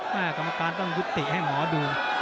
กรรมการต้องยุติให้หมอดู